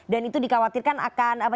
dan itu dikhawatirkan akan apa